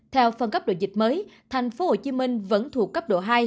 theo phần cấp độ dịch mới thành phố hồ chí minh vẫn thuộc cấp độ hai